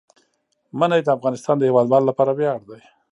منی د افغانستان د هیوادوالو لپاره ویاړ دی.